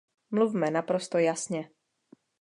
Mluvme naprosto jasně.